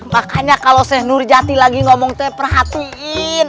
makanya kalau seh nurjati lagi ngomong teh perhatiin